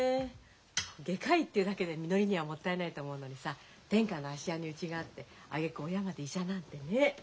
外科医っていうだけでみのりにはもったいないと思うのにさ天下の芦屋にうちがあってあげく親まで医者なんてねえ。